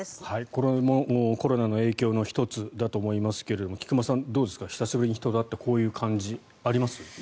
これもコロナの影響の１つだと思いますが菊間さん、どうですか久しぶりに人と会ってこういう感じ、あります？